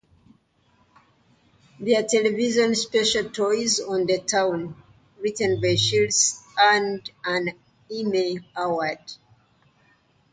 Their television special "Toys On The Town", written by Shields, earned an Emmy Award.